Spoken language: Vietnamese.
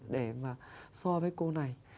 để mà so với cô này